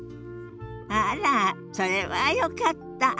あらそれはよかった。